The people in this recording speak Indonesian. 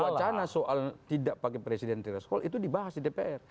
dan wacana soal tidak pakai presidensial threshold itu dibahas di dpr